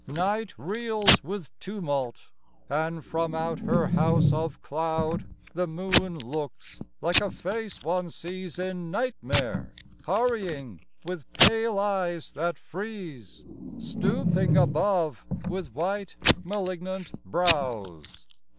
Night reels with tumult; and, from out her house Of cloud, the moon looks, like a face one sees In nightmare, hurrying, with pale eyes that freeze, Stooping above with white, malignant brows.